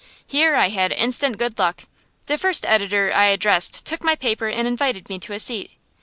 Here I had instant good luck. The first editor I addressed took my paper and invited me to a seat.